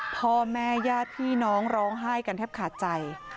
พ่อแม่ญาติพี่น้องร้องไห้กันแทบขาดใจ